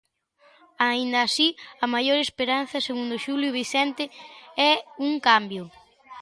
Aínda así, a maior esperanza, segundo Xulio Vicente, é "un cambio".